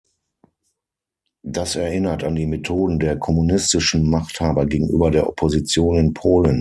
Das erinnert an die Methoden der kommunistischen Machthaber gegenüber der Opposition in Polen.